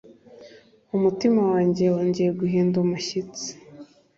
umutima wanjye wongeye guhinda umushyitsi